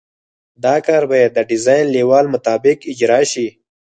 دا کار باید د ډیزاین لیول مطابق اجرا شي